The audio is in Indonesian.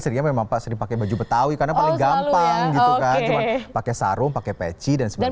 sedia memasuki pakai baju betawi karena paling gampang pakai sarung pakai peci dan sebagainya